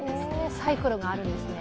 サイクルがあるんですね。